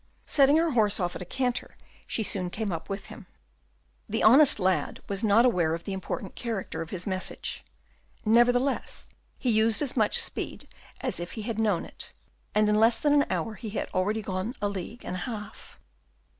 Setting her horse off at a canter, she soon came up with him. The honest lad was not aware of the important character of his message; nevertheless, he used as much speed as if he had known it; and in less than an hour he had already gone a league and a half.